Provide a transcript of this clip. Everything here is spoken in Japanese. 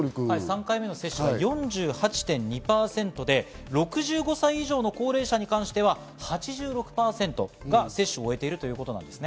３回目の接種は４８．２％で、６５歳以上の高齢者に関しては８６％が接種を終えているということです。